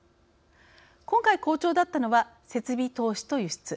今回、好調だったのは設備投資と輸出。